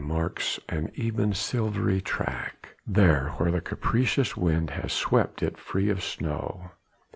marks an even silvery track, there where the capricious wind has swept it free of snow.